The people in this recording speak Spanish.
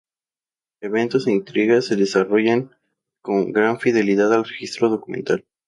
Eventos e intrigas se desarrollan con gran fidelidad al registro documental.